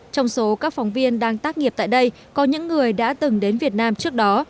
trong số các phóng viên đang tác nghiệp tại đây có những người đã từng đến việt nam trước đó